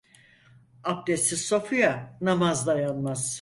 Abdestsiz sofuya namaz dayanmaz.